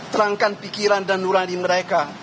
terangkan pikiran dan nurani mereka